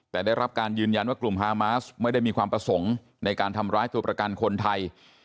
แต่ได้รับการยืนยันว่ากลุ่มฮามาสไม่ได้มีความประสงค์ในการทำร้ายตัวประกันคนไทย